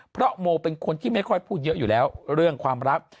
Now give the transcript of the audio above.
เพราะโมเป็นคนที่ไม่ค่อยพูดเยอะอยู่แล้วเรื่องความรัก